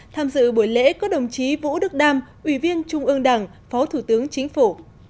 tham dự buổi lễ có đồng chí vũ đức đam ủy viên trung ương đảng phó thủ tướng chính phủ